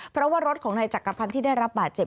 เพราะว่ารถของนายจักรพันธ์ที่ได้รับบาดเจ็บ